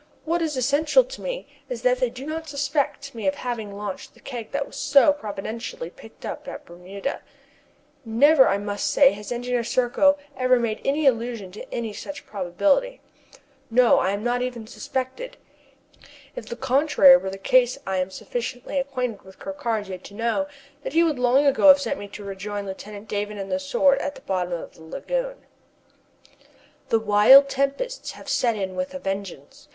What is essential to me is that they do not suspect me of having launched the keg that was so providentially picked up at Bermuda. Never, I must say, has Engineer Serko ever made any allusion to any such probability. No, I am not even suspected. If the contrary were the case I am sufficiently acquainted with Ker Karraje to know that he would long ago have sent me to rejoin Lieutenant Davon and the Sword at the bottom of the lagoon. The winter tempests have set in with a vengeance.